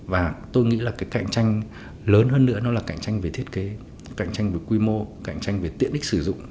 và tôi nghĩ là cái cạnh tranh lớn hơn nữa nó là cạnh tranh về thiết kế cạnh tranh về quy mô cạnh tranh về tiện ích sử dụng